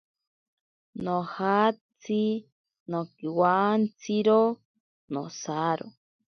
Nojatsi nonkiwantsiro nosaro.